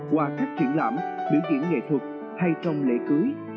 qua các triển lãm biểu diễn nghệ thuật hay trong lễ cưới